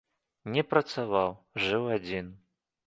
Не працаваў, жыў адзін.